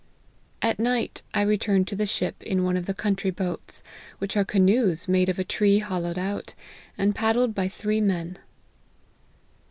At night I returned to the ship in one of the country boats, which are canoes made of a tree hollowed out, and paddled by three men."